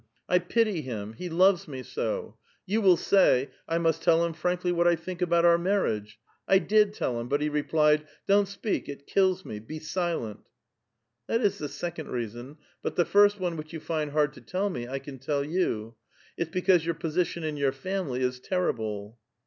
I pity him ; he loves me so ! You will sav, ' I must tell him frankly what I think about our marriage '; I did tt'U him, but he replied, ' Don't speak ; it kills mc ; be silent.' " '^Thiit is the second reason ; but the first one which you find hard to tell me, 1 can tell you ; it's because your posi tion in vuur family is terrible."